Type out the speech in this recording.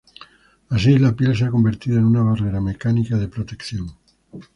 Así la piel se ha convertido en una barrera mecánica de protección.